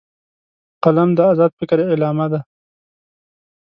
قلم د آزاد فکر علامه ده